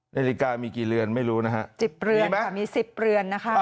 นาฬิกามีกี่เรือนไม่รู้นะฮะ๑๐เรือนค่ะมี๑๐เรือนนะคะ